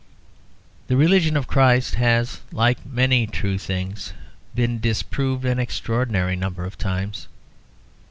The religion of Christ has, like many true things, been disproved an extraordinary number of times.